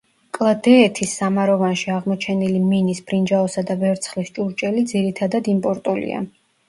კლდეეთის სამაროვანში აღმოჩენილი მინის, ბრინჯაოსა და ვერცხლის ჭურჭელი ძირითადად იმპორტულია.